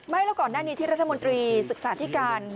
แล้วก่อนหน้านี้ที่รัฐมนตรีศึกษาที่การ